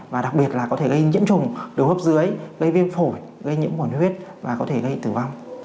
và đặc biệt là có thể gây nhiễm trùng đường hấp dưới gây viêm phổi gây nhiễm khuẩn huyết và có thể gây tử vong